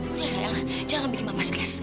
udah sayang jangan bikin mama stres